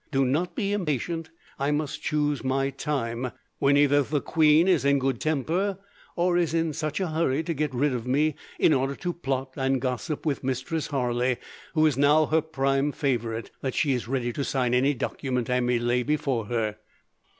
Do not be impatient. I must choose my time, when either the queen is in a good temper, or is in such a hurry to get rid of me, in order to plot and gossip with Mistress Harley, who is now her prime favourite, that she is ready to sign any document I may lay before her."